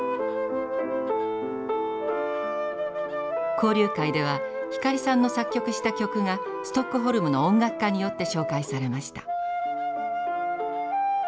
交流会では光さんの作曲した曲がストックホルムの音楽家によって紹介されました。